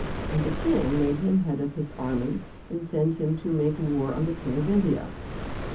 And the King made him the head of his army and sent him to make war on the King of India.